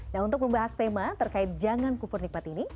dan untuk membahas tema terkait jangan kufur nikmat ini